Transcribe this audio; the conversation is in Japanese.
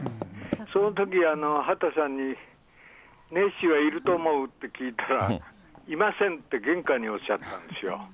そのとき、畑さんに、ネッシーはいると思う？って聞いたら、いませんって、言下におっしゃったんですよ。